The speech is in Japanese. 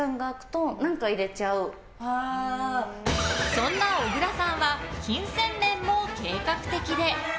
そんな小倉さんは金銭面も計画的で。